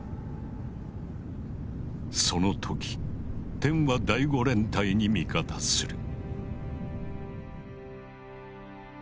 その時天は第５連隊に味方する。